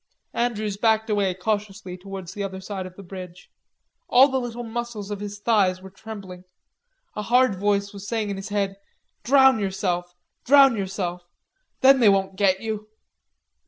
Andrews backed away cautiously towards the other side of the barge. All the little muscles of his thighs were trembling. A hard voice was saying in his head: "Drown yourself, drown yourself. Then they won't get you."